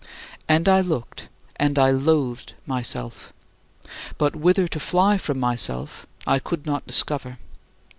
And I looked and I loathed myself; but whither to fly from myself I could not discover.